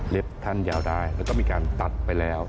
เล็บทันยาวดายแล้วก็มีการตัดไปแล้ว